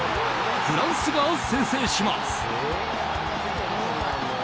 フランスが先制します。